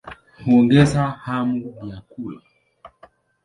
Huongeza hamu ya kula.